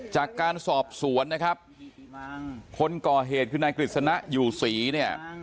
จากการสอบสวนนะครับคนก่อเหตุคือนายกฤษณะอยู่ศรีเนี่ย